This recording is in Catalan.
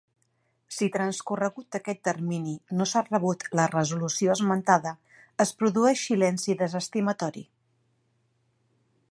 Si transcorregut aquest termini no s'ha rebut la resolució esmentada, es produeix silenci desestimatori.